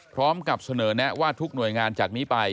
พร้อมกับเสนอแนะว่าทุกหน่วยงานจากนี้ไป